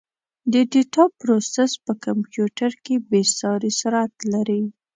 د ډیټا پروسس په کمپیوټر کې بېساري سرعت لري.